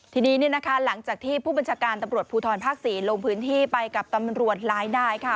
ทีนี้หลังจากที่ผู้บัญชาการตำรวจภูทรภาค๔ลงพื้นที่ไปกับตำรวจหลายนายค่ะ